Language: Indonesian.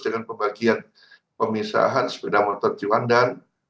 dengan pembagian pemisahan sepeda motor di wandan